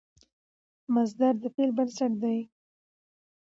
مصدر د فعل بنسټ دئ.